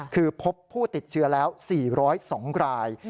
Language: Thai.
คือพบผู้ติดเชื้อแล้ว๔๐๒ราย